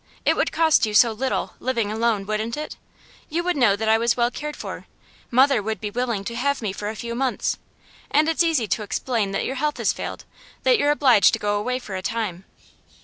It would cost you so little, living alone, wouldn't it? You would know that I was well cared for; mother would be willing to have me for a few months, and it's easy to explain that your health has failed, that you're obliged to go away for a time.